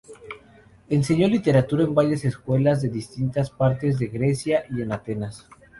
Enseñó literatura en varias escuelas de en distintas partes de Grecia y en Atenas.